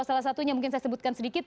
salah satunya mungkin saya sebutkan sedikit